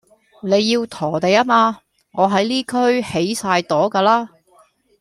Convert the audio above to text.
你要陀地吖嘛，我喺呢區起曬朵㗎啦